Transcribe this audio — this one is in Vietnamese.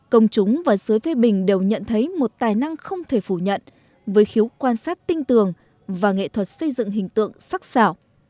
công chúng và sứ phê bình đều nhận thấy một tài năng không thể phủ nhận với khiếu quan sát tinh tường và nghệ thuật xây dựng hình tượng sắc xảo